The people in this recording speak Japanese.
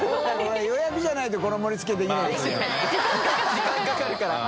時間かかるから